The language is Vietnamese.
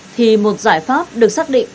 thì một giải pháp được xác định